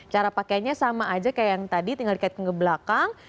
cara pakainya sama aja kayak yang tadi tinggal dikaitkan ke belakang